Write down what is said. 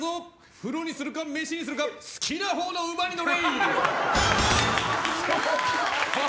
風呂にするか飯にするか好きなほうの馬に乗れい！